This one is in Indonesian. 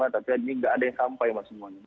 tapi ini nggak ada yang sampai pak semuanya